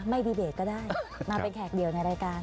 ไม่ดีเบตก็ได้มาเป็นแขกเดียวในรายการ